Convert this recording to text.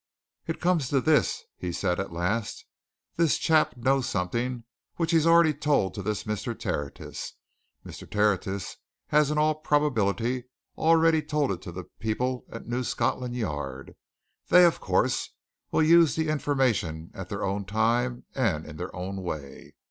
"It comes to this," he said at last, "this chap knows something which he's already told to this Mr. Tertius. Mr. Tertius has in all probability already told it to the people at New Scotland Yard. They, of course, will use the information at their own time and in their own way.